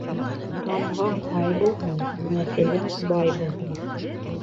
Тамғаң ай булһын, нәҫелең бай булһын.